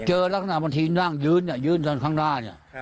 เจอหลักษณะบางทีนั่งยืนยืนข้างหน้านี่